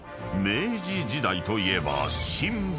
［明治時代といえば］